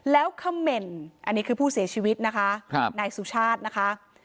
แล้วคำเมนต์อันนี้คือผู้เสียชีวิตนะคะนายสุชาตินะคะ